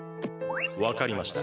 わかりました。